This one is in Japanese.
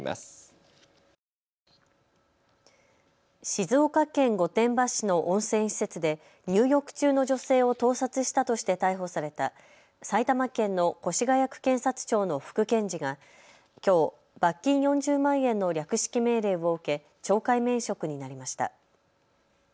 静岡県御殿場市の温泉施設で入浴中の女性を盗撮したとして逮捕された埼玉県の越谷区検察庁の副検事がきょう罰金４０万円の略式命令を受け懲戒免職になりました。